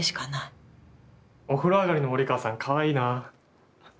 お風呂上がりの森川さんかわいいなあ。